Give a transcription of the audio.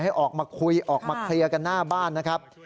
ให้ออกมาคุยออกมาเคลียร์กันหน้าบ้านนะครับ